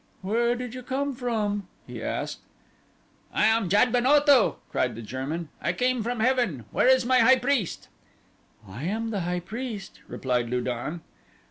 "Where did you come from?" he asked. "I am Jad ben Otho," cried the German. "I came from heaven. Where is my high priest?" "I am the high priest," replied Lu don.